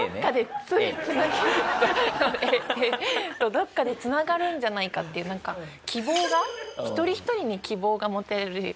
どこかでつながるんじゃないかっていうなんか希望が一人ひとりに希望が持てる感じがしました。